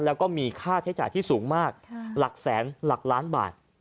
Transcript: แล้วก็มีค่าใช้จ่ายที่สูงมากหลักแสนหลักล้านบาท